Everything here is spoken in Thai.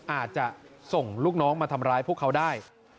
อาจจะส่งลูกน้องมาทำร้ายพวกเขาได้